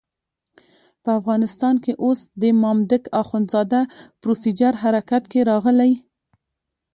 په افغانستان کې اوس د مامدک اخندزاده پروسیجر حرکت کې راغلی.